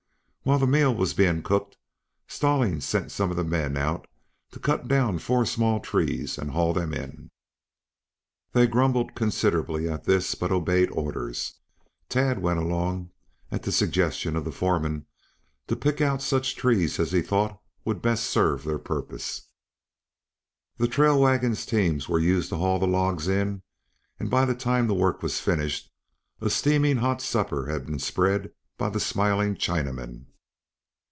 While the meal was being cooked Stallings sent some of the men out to cut down four small trees and haul them in. They grumbled considerably at this, but obeyed orders. Tad went along, at the suggestion of the foreman, to pick out such trees as he thought would best serve their purpose. The trail wagon's teams were used to haul the logs in and by the time the work was finished a steaming hot supper had been spread by the smiling Chinaman.